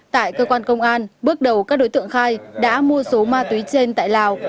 tại cơ quan công an bước đầu các đối tượng khai đã mua số ma túy trên tại lào